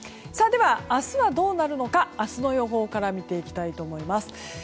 では、明日はどうなるのか明日の予報から見ていきます。